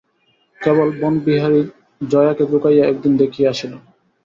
কেবল বনবিহারী জয়াকে লুকাইয়া একদিন দেখিয়া আসিল।